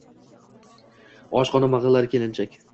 oshiqona ming`illadi kelinchak